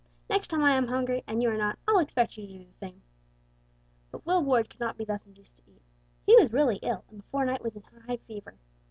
Next time I am hungry, and you are not, I'll expect you to do the same." But Will Ward could not be thus induced to eat. He was really ill, and before night was in a high fever.